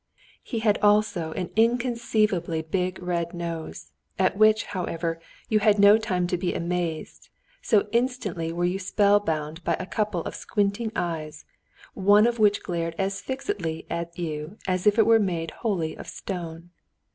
He had also an inconceivably big red nose, at which, however, you had no time to be amazed, so instantly were you spell bound by a couple of squinting eyes, one of which glared as fixedly at you as if it were made wholly of stone.